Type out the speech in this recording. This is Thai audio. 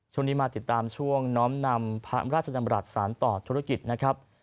ช่วงนี้มาติดตามช่วงน้อมนำพระราชดำรัฐสารต่อธุรกิจนะครับ